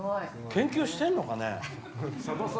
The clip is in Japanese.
研究してるのかね？